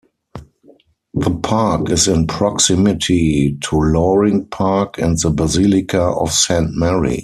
The park is in proximity to Loring Park and the Basilica of Saint Mary.